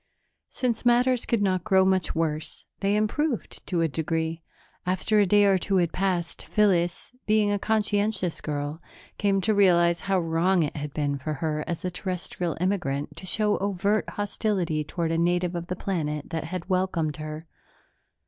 Since matters could not grow much worse, they improved to a degree. After a day or two had passed, Phyllis, being a conscientious girl, came to realize how wrong it had been for her as a Terrestrial immigrant to show overt hostility toward a native of the planet that had welcomed her.